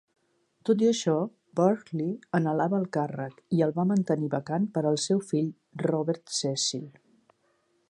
Tot i això, Burghley anhelava el càrrec, i el va mantenir vacant per al seu fill Robert Cecil.